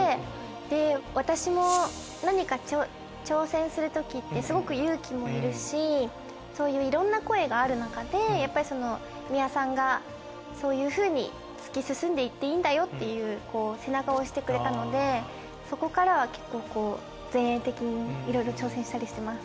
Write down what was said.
で私も何か挑戦する時ってすごく勇気もいるしそういういろんな声がある中でやっぱりその美輪さんがそういうふうに。っていうこう背中を押してくれたのでそこからは結構前衛的にいろいろ挑戦したりしてます。